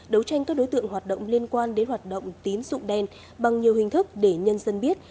đấu tranh các đối tượng hoạt động liên quan đến hoạt động tín dụng đen bằng nhiều hình thức để nhân dân biết